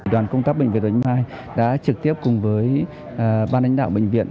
đoàn công tác bệnh viện bạch mai đã trực tiếp cùng với ban đánh đạo bệnh viện